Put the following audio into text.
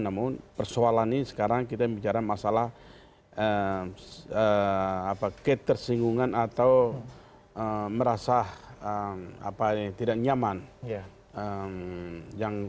namun persoalan ini sekarang kita bicara masalah ketersinggungan atau merasa tidak nyaman